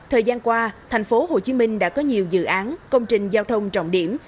thời gian qua thành phố hồ chí minh đã có nhiều dự án công trình giao thông trọng điểm